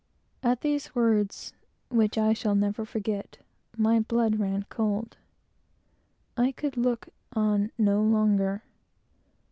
At these words, which I never shall forget, my blood ran cold. I could look on no longer.